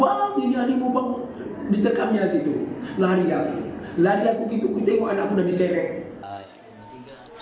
wah ini harimau bang diterkamnya gitu lari aku lari aku gitu ku tengok anakku udah diseret